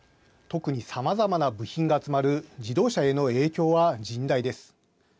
特に、さまざまな部品が集まる自動車への影響は甚大です。